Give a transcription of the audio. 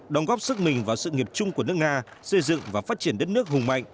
đóng góp sức mình vào sự nghiệp chung của nước nga xây dựng và phát triển đất nước hùng mạnh